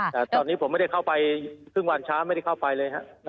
แต่ตอนนี้ผมไม่ได้เข้าไปครึ่งวันช้าไม่ได้เข้าไปเลย